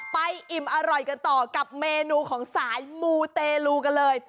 อิ่มอร่อยกันต่อกับเมนูของสายมูเตลูกันเลย